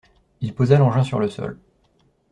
Il posa l’engin sur le sol.